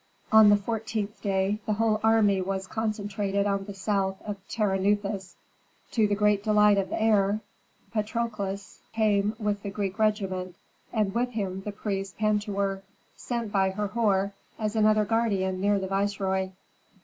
On the fourteenth day the whole army was concentrated on the south of Terenuthis. To the great delight of the heir, Patrokles came with the Greek regiment, and with him the priest Pentuer, sent by Herhor as another guardian near the viceroy.